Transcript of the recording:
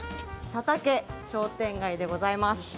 佐竹商店街でございます。